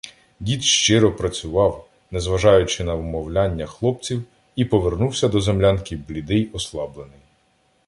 Дід щиро працював, не зважаючи на вмовляння хлопців, і повернувся до землянки блідий, ослаблений.